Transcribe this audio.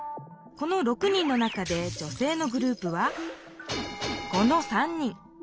この６人の中で女性のグループはこの３人。